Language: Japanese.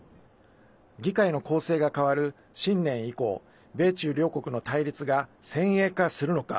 議会の構成が変わる新年以降米中両国の対立が先鋭化するのか。